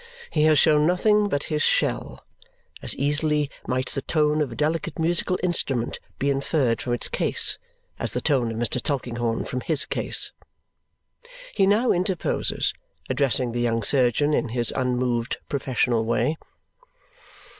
He has shown nothing but his shell. As easily might the tone of a delicate musical instrument be inferred from its case, as the tone of Mr. Tulkinghorn from his case. He now interposes, addressing the young surgeon in his unmoved, professional way.